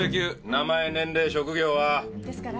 名前年齢職業は？ですから。